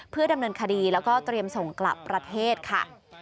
เพื่อดำเนินคดีแล้วก็เตรียมส่งกลับประเทศค่ะ